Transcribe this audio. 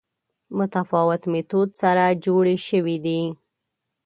متفاوت میتود سره جوړې شوې دي